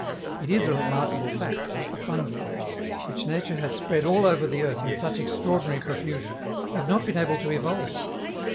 It is a remarkable fact that the fungi, which nature has spread all over the earth in such extraordinary profusion, have not been able to evolve.